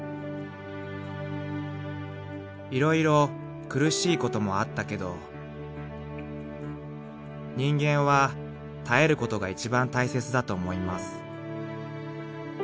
［「いろいろ苦しいこともあったけど人間は耐えることが一番大切だと思います」］